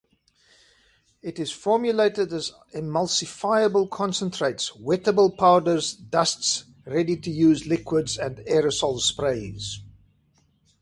It is formulated as emulsifiable concentrates, wettable powders, dusts, ready-to-use liquids, and aerosol sprays.